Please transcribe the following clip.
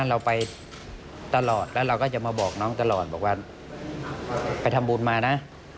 เราไปตลอดแล้วเราก็จะมาบอกน้องตลอดบอกว่าไปทำบุญมานะ